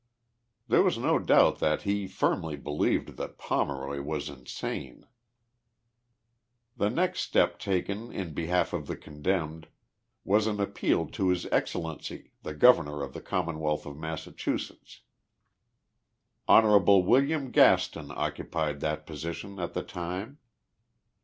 There was no doubt that he firmly believed that Pomeroy was insane. The next step taken in behalf of the condemned was an appeal to His Excellency, the Governor of the Commonwealth of Massachusetts. lion. William Gaston occupied that position at the time.